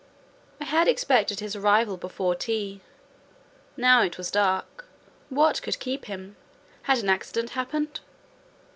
I had expected his arrival before tea; now it was dark: what could keep him? Had an accident happened?